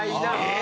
・え！？